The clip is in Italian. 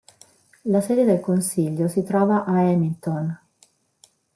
La sede del consiglio si trova a Hamilton.